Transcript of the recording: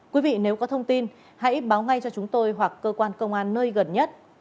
quý vị nếu có thông tin hãy báo ngay cho chúng tôi hoặc cơ quan công an nơi gần nhất